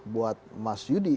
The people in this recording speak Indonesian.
buat mas yudi